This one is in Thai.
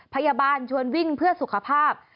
พยาบาลชวนวิ่งเพื่อสุขภาพ